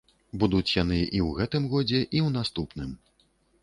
Будуць яны і ў гэтым годзе, і ў наступным.